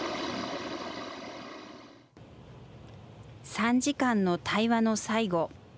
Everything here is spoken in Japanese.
３時間の対話の最後。